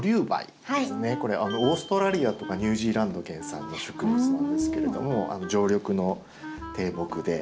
これオーストラリアとかニュージーランド原産の植物なんですけれども常緑の低木で。